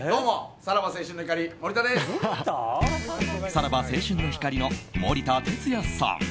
さらば青春の光の森田哲矢さん。